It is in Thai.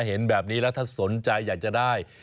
เห็นแบบนี้แล้วถ้าสนใจอยากจะได้